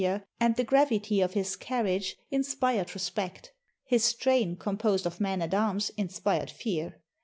LOUIS AS A PRISONER and the gravity of his carriage inspired respect. His train, composed of men at arms, inspired fear.